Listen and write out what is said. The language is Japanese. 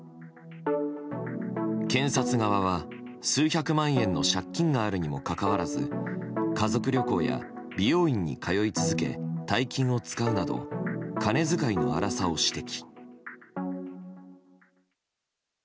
検察側は、数百万円の借金があるにもかかわらず家族旅行や、美容院に通い続け大金を使うなど金遣いの荒さを指摘。